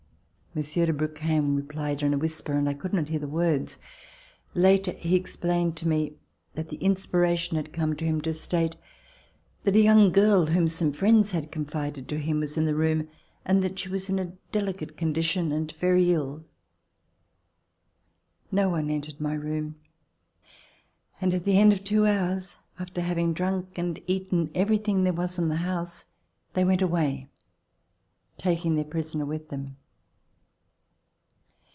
Monsieur de Brouquens replied in a whisper and I could not hear the words. C 146 ] FLIGHT TO BORDEAUX Later he explained to me that the inspiration had come to him to state that a young girl, whom some friends had conlided to him, was in the room and that she was in a delicate condition and very ill. No one entered my room, and at the end of two hours, after having drunk and eaten everything there was in the house, they went away, taking their prisoner with them.